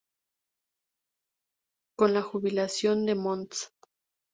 Con la jubilación de Mons.